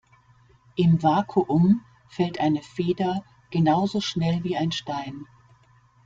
Im Vakuum fällt eine Feder genauso schnell wie ein Stein.